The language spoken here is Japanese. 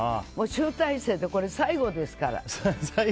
集大成で最後ですから。